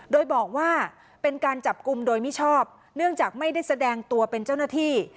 โดยบอกว่าเป็นการจับกลุ่มโดยมิชอบเนื่องจากไม่ได้แสดงตัวเป็นเจ้าหน้าที่